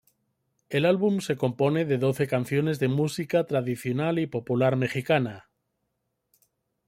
El álbum se compone de doce canciones de música tradicional y popular mexicana.